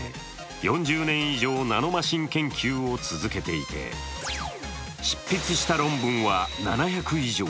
４０年以上、ナノマシン研究を続けていて執筆した論文は７００以上。